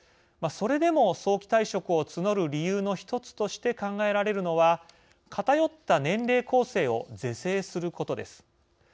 それでも早期退職を募る理由の１つとして考えられるのは偏った年齢構成を是正することです。